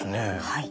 はい。